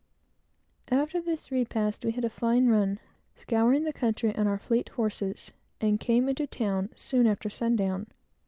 After this repast, we had a fine run, scouring the whole country on our fleet horses, and came into town soon after sundown.